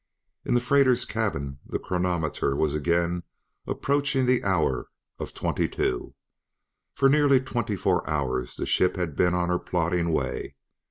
In the freighter's cabin the chronometer was again approaching the hour of twenty two; for nearly twenty four hours the ship had been on her plodding way.